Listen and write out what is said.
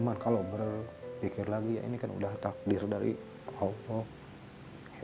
karena cuma kalau berpikir lagi ya ini kan udah takdir dari allah